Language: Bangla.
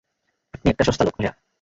আপনি একটা সস্তা লোক, ভায়া।